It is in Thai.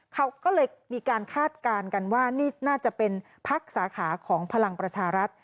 เขาก็เลยมีการคาดการณ์กันว่านี่น่าจะเป็นพักสาขาของพลังประชารัฐ